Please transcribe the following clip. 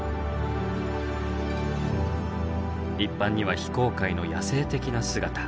一般には非公開の野性的な姿。